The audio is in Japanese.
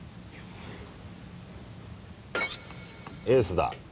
エースだ。